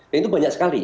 dan itu banyak sekali